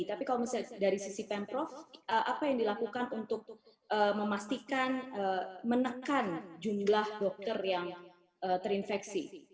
tapi kalau misalnya dari sisi pemprov apa yang dilakukan untuk memastikan menekan jumlah dokter yang terinfeksi